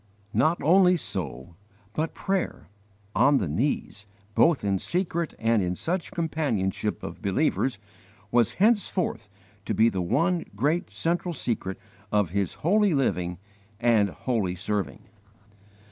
Not only so, but prayer, on the knees, both in secret and in such companionship of believers, was henceforth to be the one great central secret of his holy living and holy serving.